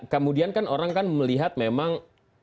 kemudian kan orang kan melihat memang